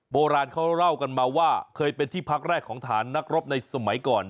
โบราณเขาเล่ากันมาว่าเคยเป็นที่พักแรกของฐานนักรบในสมัยก่อน